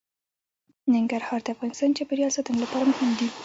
ننګرهار د افغانستان د چاپیریال ساتنې لپاره مهم دي.